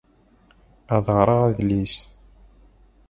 Ad ɣreɣ adlis.